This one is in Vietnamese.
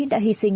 đã hy sinh